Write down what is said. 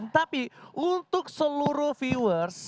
tapi untuk seluruh viewers